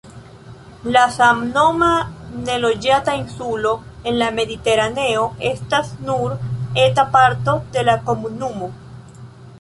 La samnoma, neloĝata insulo en la Mediteraneo estas nur eta parto de la komunumo.